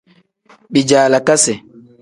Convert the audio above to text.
Bijaalakasi.